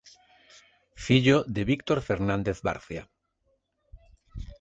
Fillo de Víctor Fernández Barcia.